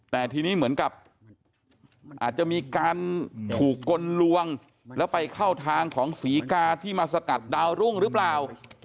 แต่ทีนี้เหมือนกับอาจจะมีการถูกกลลวงแล้วไปเข้าทางของศรีกาที่มาสกัดดาวรุ่งหรือเปล่า